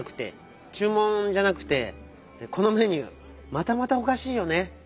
ちゅう文じゃなくてこのメニューまたまたおかしいよね？